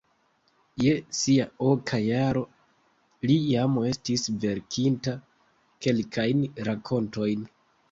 Je sia oka jaro li jam estis verkinta kelkajn rakontojn.